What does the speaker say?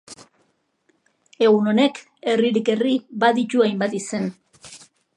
Egun honek herririk herri baditu hainbat izen.